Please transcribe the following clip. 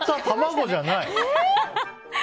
卵じゃない。